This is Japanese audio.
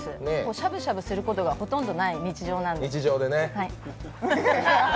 しゃぶしゃぶすることがほとんどない日常なので。